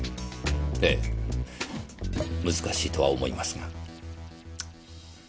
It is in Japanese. えぇ難しいとは思いますが。